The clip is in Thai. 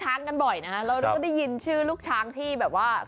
เราก็ได้ยินชื่อลูกช้างที่เคาะมาใหม่เยอะมาก